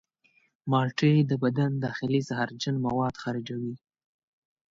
مالټې د بدن داخلي زهرجن مواد خارجوي.